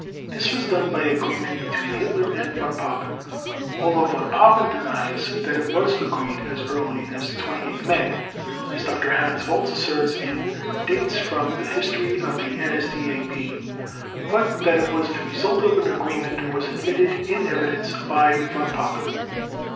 This was done by agreement between Hitler and Von Papen, although Von Papen denies that it was agreed as early as 28 May, as Dr. Hans Volz asserts in "Dates from the History of the NSDAP"; but that it was the result of an agreement was admitted in evidence by Von Papen.